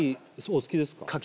お好きですか？